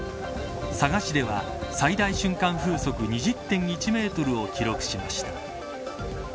佐賀市では、最大瞬間風速２０．１メートルを記録しました。